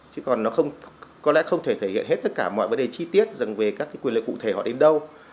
chứ còn nó có lẽ không thể thể hiện hết tất cả mọi vấn đề chi tiết rằng về các quyền lợi cụ thể họ đến đâu